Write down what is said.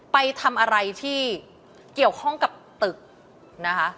ไปทำอะไรที่เกี่ยวข้องกับตึกนะคะ